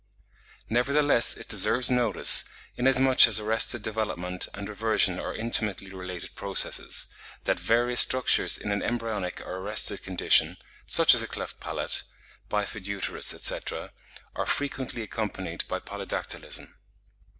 Nevertheless it deserves notice, inasmuch as arrested development and reversion are intimately related processes; that various structures in an embryonic or arrested condition, such as a cleft palate, bifid uterus, etc., are frequently accompanied by polydactylism.